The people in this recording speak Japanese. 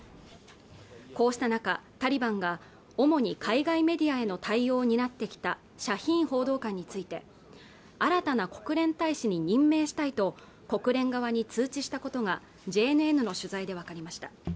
こうした中タリバンが主に海外メディアへの対応をになってきたシャヒーン報道官について新たな国連大使に任命したいと国連側に通知したことがＪＮＮの取材で分かりました